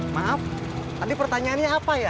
maaf tadi pertanyaannya apa ya